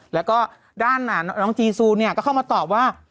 แล้วก็ด้านน้องจีซูเนี่ยก็เข้ามาตอบว่า